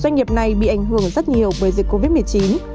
doanh nghiệp này bị ảnh hưởng rất nhiều bởi dịch covid một mươi chín